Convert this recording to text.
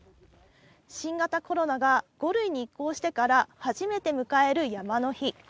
新型コロナが５類に移行してから初めて迎える山の日。